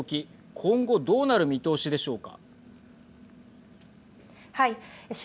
今後どうなる見通しでしょうか。